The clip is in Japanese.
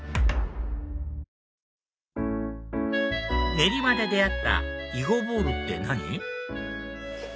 練馬で出会った囲碁ボールって何？